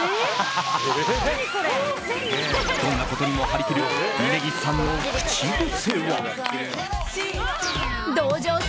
どんなことにも張り切る峯岸さんの口癖は。